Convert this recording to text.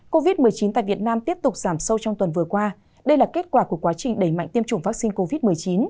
covid một mươi chín tại việt nam tiếp tục giảm sâu trong tuần vừa qua đây là kết quả của quá trình đẩy mạnh tiêm chủng vaccine covid một mươi chín